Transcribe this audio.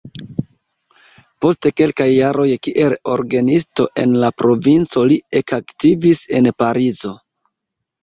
Post kelkaj jaroj kiel orgenisto en la provinco li ekaktivis en Parizo.